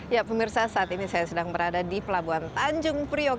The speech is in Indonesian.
ya pemirsa saat ini saya sedang berada di pelabuhan tanjung priok